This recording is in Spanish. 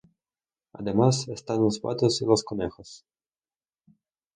Además están los patos y los conejos.